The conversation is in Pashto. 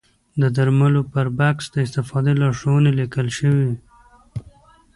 د درملو پر بکس د استفادې لارښوونې لیکل شوې وي.